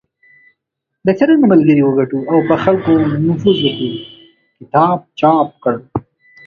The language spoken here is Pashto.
د"څرنګه ملګري وګټو او په خلکو نفوذ وکړو" کتاب چاپ کړ .